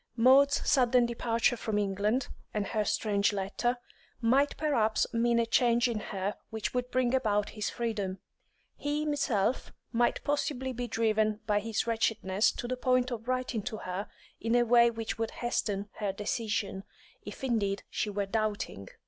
Maud's sudden departure from England, and her strange letter, might perhaps mean a change in her which would bring about his freedom; he himself might possibly be driven by his wretchedness to the point of writing to her in a way which would hasten her decision, if indeed she were doubting.